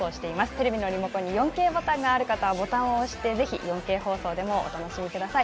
テレビのリモコンに４Ｋボタンがある方はボタンを押してぜひ４Ｋ放送でもお楽しみください。